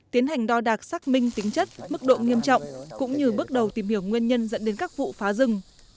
tiến hành đo đạc xác minh tính chất mức độ nghiêm trọng cũng như bước đầu tìm hiểu nguyên nhân dẫn đến các vụ phá rừng